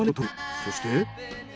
そして。